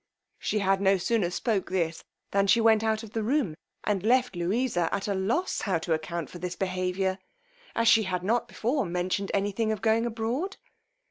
She had no sooner spoke this than she went out of the room, and left Louisa at a loss how to account for this behaviour, as she had not before mentioned any thing of going abroad.